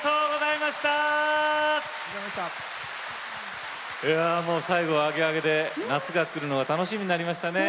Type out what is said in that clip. いやもう最後はアゲアゲで夏が来るのが楽しみになりましたね。